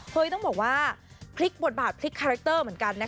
ต้องบอกว่าพลิกบทบาทพลิกคาแรคเตอร์เหมือนกันนะคะ